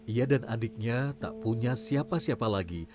ia dan adiknya tak punya siapa siapa lagi